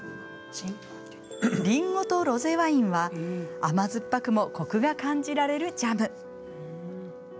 りんごとロゼワインは甘酸っぱくもコクが感じられるジャム。